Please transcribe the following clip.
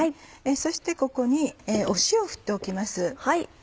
そしてここに塩を振っておきます。